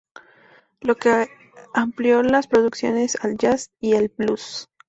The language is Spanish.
Lo que amplió la producciones al jazz y el blues.